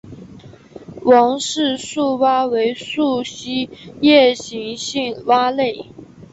王氏树蛙为树栖夜行性蛙类。